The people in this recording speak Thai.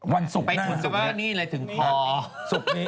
วันศุกร์หน้าไปทุนจังงี้เลยถึงคอ